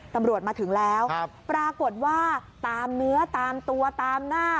ตำรวจมาถึงแล้วปรากฏว่าตามเนื้อตามตัวตามหน้า